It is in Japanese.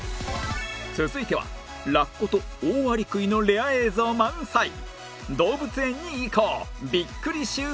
続いてはラッコとオオアリクイのレア映像満載中村さん